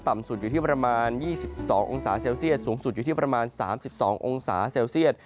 ต่ำสุดอยู่ที่ประมาณยี่สิบสององศาเซลเซียสสูงสุดอยู่ที่ประมาณสามสิบสององศาเซลเซียส